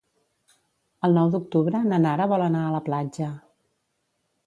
El nou d'octubre na Nara vol anar a la platja.